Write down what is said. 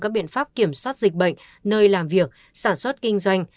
các biện pháp kiểm soát dịch bệnh nơi làm việc sản xuất kinh doanh